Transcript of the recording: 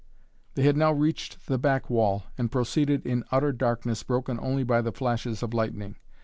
They had now reached the back wall and proceeded in utter darkness broken only by the flashes of lightning.